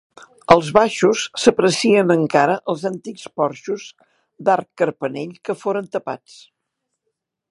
Als baixos s'aprecien encara els antics porxos d'arc carpanell que foren tapats.